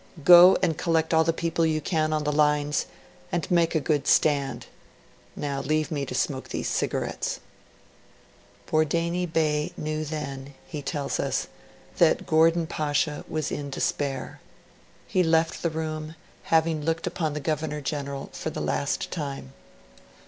Go, and collect all the people you can on the lines, and make a good stand. Now leave me to smoke these cigarettes.' Bordeini Bey knew then, he tells us, that Gordon Pasha was in despair. He left the room, having looked upon the Governor General for the last time.